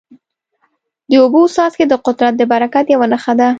د اوبو څاڅکي د قدرت د برکت یوه نښه ده.